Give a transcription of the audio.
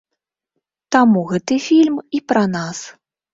Таму гэты фільм і пра нас.